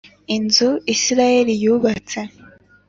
inzu Isirayeli yubatse